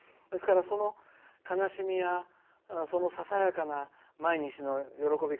その悲しみやそのささやかな毎日の喜び